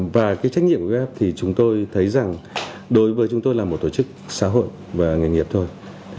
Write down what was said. và cái trách nhiệm của app thì chúng tôi thấy rằng đối với chúng tôi là một tổ chức xã hội và nghề nghiệp thôi